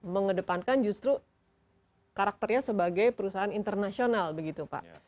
mengedepankan justru karakternya sebagai perusahaan internasional begitu pak